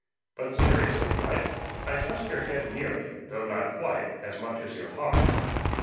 But, seriously, wife, I trust your head nearly, though not quite, as much as your heart.